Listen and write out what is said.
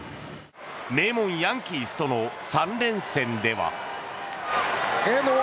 名門ヤンキースとの３連戦では。